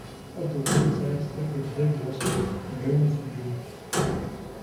Although both sides suffered heavy losses, the Germans withdrew.